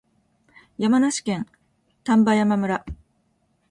山梨県丹波山村